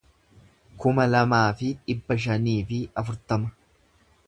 kuma lamaa fi dhibba shanii fi afurtama